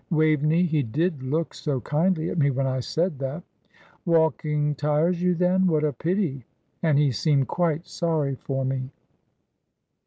Waveney, he did look so kindly at me, when I said that. 'Walking tires you, then. What a pity!' and he seemed quite sorry for me."